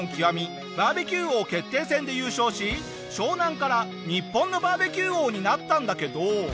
バーベキュー王決定戦で優勝し湘南から日本のバーベキュー王になったんだけど。